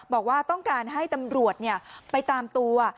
บอกว่าต้องการให้ตำรวจไปตามตัว